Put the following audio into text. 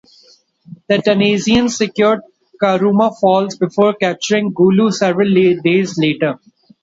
The Tanzanians secured Karuma Falls before capturing Gulu several days later.